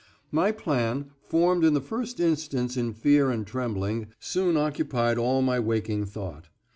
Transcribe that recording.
"My plan, formed in the first instance in fear and trembling, soon occupied all my waking thought.